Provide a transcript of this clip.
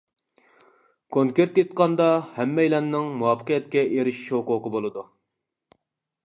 كونكرېت ئېيتقاندا، ھەممەيلەننىڭ مۇۋەپپەقىيەتكە ئېرىشىش ھوقۇقى بولىدۇ.